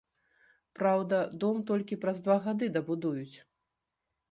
Праўда, дом толькі праз два гады дабудуюць.